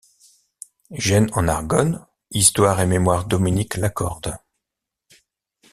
Gesnes-en- Argonne - Histoire et mémoire Dominique Lacorde.